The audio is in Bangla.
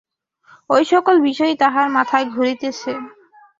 ঐসকল বিষয়ই তাহার মাথায় ঘুরিতেছে।